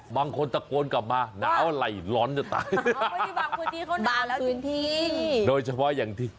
บางคนตะโกนกลับมาน้ำอะไรร้อนเถอะต่างโดยเฉพาะอย่างที่